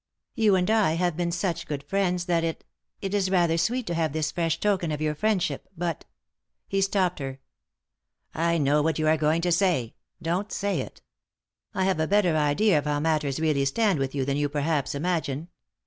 You and I have been such good friends that it — it is rather sweet to have this fresh token of your friendship, but " He stopped her. " I know what you are going to say; don't say it. I have a better idea of how matters really stand with you than you perhaps imagine.